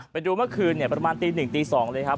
ไปดูเมื่อคืนประมาณตี๑ตี๒เลยครับ